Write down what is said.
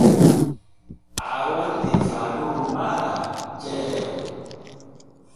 Aa woodi der faadooru maaɗa ceede.